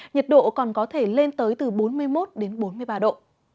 nhiệt độ còn có thể lên tới từ bốn mươi một đến bốn mươi ba độ